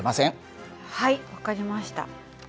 はい分かりました。